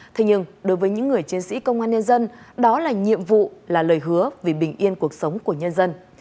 thế nhưng đối với những người chiến sĩ công an nhân dân đó là nhiệm vụ là lời hứa vì bình yên cuộc sống của nhân dân